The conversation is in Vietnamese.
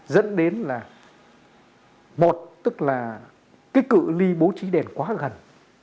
dẫn đến là một tức là cái cự li bố trí đèn quá gần